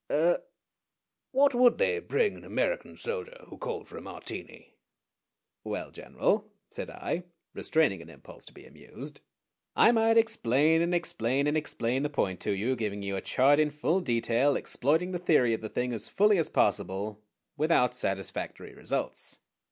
Er what would they bring an American soldier who called for a Martini?" "Well, General," said I, restraining an impulse to be amused, "I might explain, and explain and explain the point to you, giving you a chart in full detail, exploiting the theory of the thing as fully as possible, without satisfactory results.